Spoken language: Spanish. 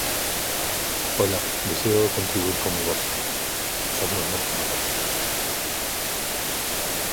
Su nombre proviene del hispano-árabe "al-hasú" que significa 'el relleno'.